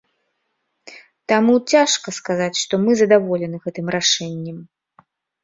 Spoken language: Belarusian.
Таму цяжка сказаць, што мы задаволены гэтым рашэннем.